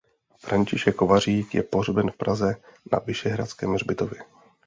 František Kovářík je pohřben v Praze na Vyšehradském hřbitově.